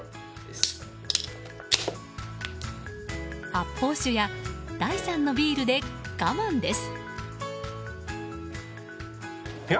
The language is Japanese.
発泡酒や第３のビールで我慢です。